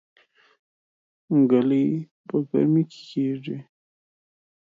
ګلۍ په ګرمۍ کې کيږي